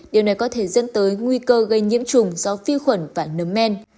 điều này có thể dân tới nguy cơ gây nhiễm trùng do phi khuẩn và nấm men